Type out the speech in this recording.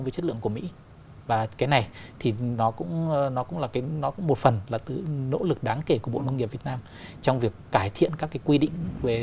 và cái này thì nó cũng là một phần là nỗ lực đáng kể của bộ nông nghiệp việt nam trong việc cải thiện các cái quy định